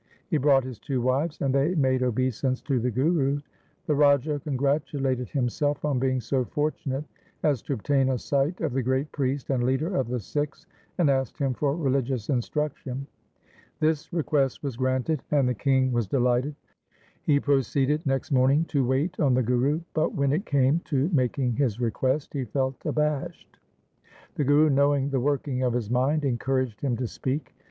He brought his two wives, and they made obeisance to the Guru. The Raja congratulated himself on being so fortunate as to obtain a sight of the great priest and leader of the Sikhs, and asked him for religious instruction. This request was granted, and the king was delighted. He proceeded next morning to wait on the Guru, but, when it came to making his request, he felt abashed. The Guru knowing the working of his mind encouraged him to speak.